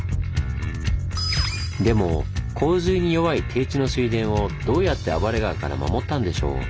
でも洪水に弱い低地の水田をどうやって暴れ川から守ったんでしょう？